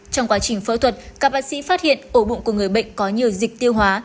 trong quá trình phẫu thuật các bác sĩ phát hiện ổ bụng của người bệnh có nhiều dịch tiêu hóa